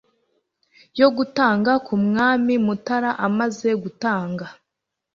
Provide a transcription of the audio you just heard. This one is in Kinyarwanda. yo gutanga k' Umwami. Mutara amaze gutanga,